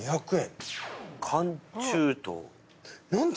何だ？